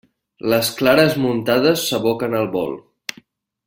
Les clares muntades s'aboquen al bol.